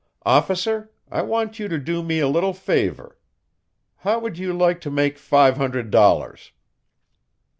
Officer, I want you to do me a little favor. How would you like to make five hundred dollars?"